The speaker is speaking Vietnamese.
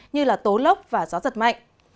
như tố lốc và gió giật mạnh